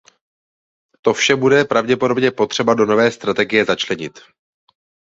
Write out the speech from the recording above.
To vše bude pravděpodobně potřeba do nové strategie začlenit.